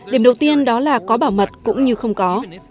điểm đầu tiên đó là có bảo mật cũng như không có